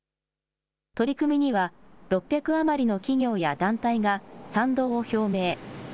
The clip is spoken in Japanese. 取り組みには６００余りの企業や団体が賛同を表明。